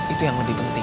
itu yang lebih penting